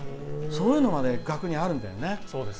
そういうのが額にあるんだよね。